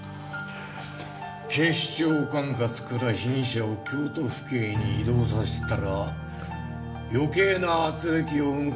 警視庁管轄から被疑者を京都府警に移動させたら余計な軋轢を生むかもしれんねえ。